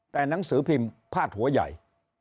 แต่หนังสือพิมพ์พาดหัวใหญ่